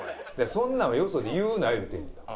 そんなんをよそで言うな言うてんねんだから。